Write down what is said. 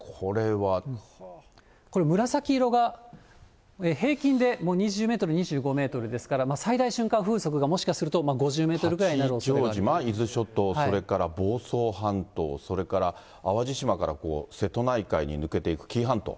これ、紫色が平均で２０メートル、２５メートルですから、最大瞬間風速がもしかすると５０メートルぐらいになるおそれもあ八丈島、伊豆諸島、それから房総半島、それから淡路島から瀬戸内海に抜けていく紀伊半島。